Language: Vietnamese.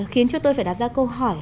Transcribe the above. khiến cho tôi phải đặt ra câu hỏi